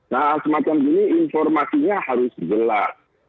nah semacam ini informasinya harus gelar